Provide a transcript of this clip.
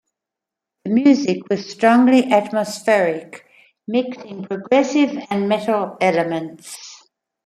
The music was strongly atmospheric mixing progressive and metal elements.